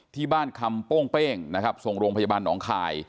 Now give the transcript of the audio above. ที่บ้านคำโป้งเป้งนะครับส่งโรงพยาบาลหนองคาย